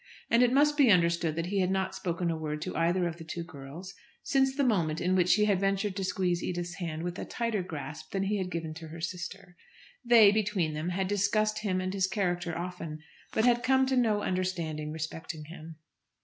And it must be understood that he had not spoken a word to either of the two girls since the moment in which he had ventured to squeeze Edith's hand with a tighter grasp than he had given to her sister. They, between them, had discussed him and his character often; but had come to no understanding respecting him.